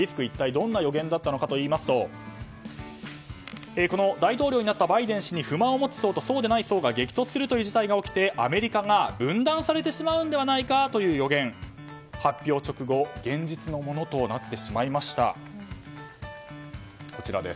一体どんな予言だったのかといいますと大統領になったバイデン氏に不満を持つ層とそうでない層が激突するということが起きてアメリカが分断されてしまうんじゃないかという予言が発表直後、現実のものとなってしまいました。